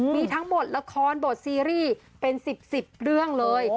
มีทั้งหมดละครบทซีรีส์เป็น๑๐๑๐เรื่องเลย